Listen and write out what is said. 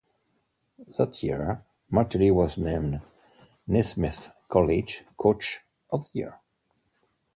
That year, Martelli was named Naismith College Coach of the Year.